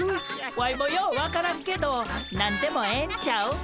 ワイもよう分からんけど何でもええんちゃう？